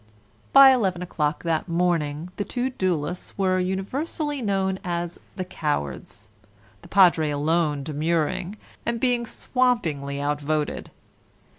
By eleven o'clock that morning, the two duellists were universally known as "the cowards", the Padre alone demurring, and being swampingly outvoted.